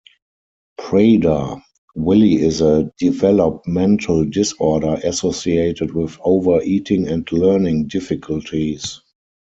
Prader-Willi is a developmental disorder associated with over-eating and learning difficulties.